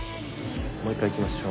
もう一回行きましょう。